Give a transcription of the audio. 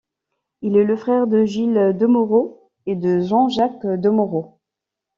Il est le frère de Gilles Domoraud et de Jean-Jacques Domoraud.